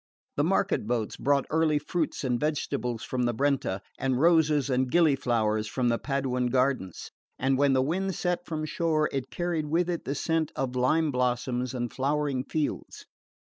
The market boats brought early fruits and vegetables from the Brenta and roses and gilly flowers from the Paduan gardens; and when the wind set from shore it carried with it the scent of lime blossoms and flowering fields.